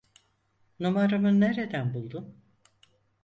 Numaramı nereden buldun?